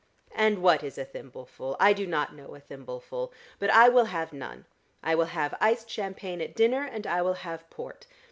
"And what is a thimbleful? I do not know a thimbleful. But I will have none. I will have iced champagne at dinner, and I will have port.